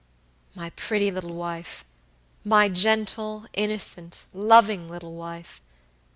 "My pretty little wife! My gentle, innocent, loving little wife!